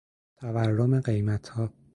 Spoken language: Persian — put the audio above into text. تورم قیمتها